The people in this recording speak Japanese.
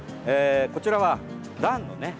こちらは、ランのね